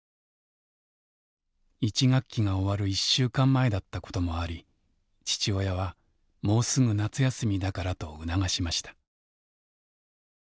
１学期が終わる１週間前だったこともあり父親はもうすぐ夏休みだからと促しました。